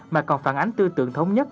mà còn phản ánh tư tượng thống nhất